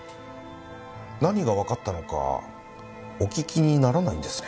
何がわかったのかお聞きにならないんですね。